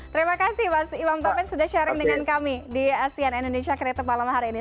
terima kasih mas imam topen sudah sharing dengan kami di acn indonesia kreator malam hari ini